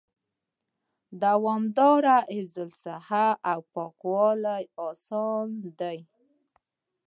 دوامدار حفظ الصحه او پاکوالي آسانه دي